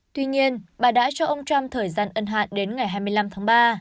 tuy nhiên bà đã cho ông trump thời gian ân hạn đến ngày hai mươi năm tháng ba